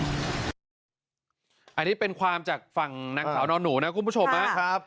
อันนี้เป็นความจากฝั่งนางสาวนอนหนูนะคุณผู้ชมนะ